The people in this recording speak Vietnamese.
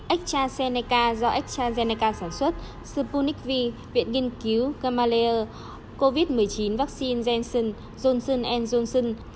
astrazeneca do astrazeneca sản xuất sputnik v viện nghiên cứu gamalea covid một mươi chín vaccine janssen johnson johnson